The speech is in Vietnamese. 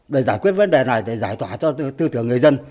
để giải quyết vấn đề này để giải tỏa cho tư tưởng người dân